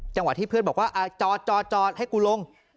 ที่เพื่อนบอกว่าจอดให้กูลง